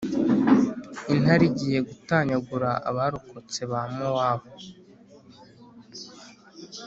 intare igiye gutanyagura abarokotse ba Mowabu,